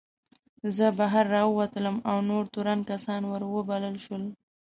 زه بهر راووتلم او نور تورن کسان ور وبلل شول.